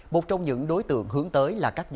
một trong những đối tượng hướng tới là các khách hàng